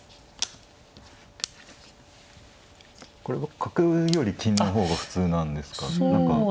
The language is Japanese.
これ角より金の方が普通なんですかなんか。